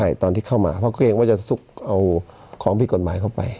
ใช่ตอนที่เข้ามาเพราะเกรงว่าจะซุกเอาของผิดกฎหมายเข้าไป